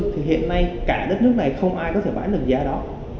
thì hiện nay cả đất nước này không ai có thể bán được giá đó